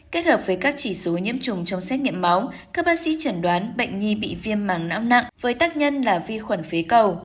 kết hợp với các chỉ số nhiễm trùng trong xét nghiệm máu các bác sĩ chẩn đoán bệnh nhi bị viêm mảng não nặng với tác nhân là vi khuẩn phế cầu